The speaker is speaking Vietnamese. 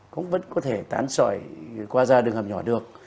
cũng vẫn có thể tán sỏi qua ra đường hầm nhỏ được